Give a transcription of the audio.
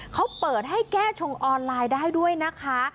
เขาเปิดให้แก้ชงออนไลน์ได้ด้วยนะคะ